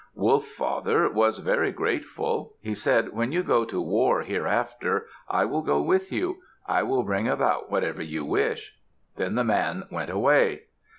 Wolf Father was very grateful. He said, "When you go to war hereafter, I will go with you. I will bring about whatever you wish." Then the man went away.